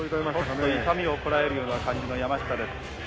痛みをこらえるような感じの山下です。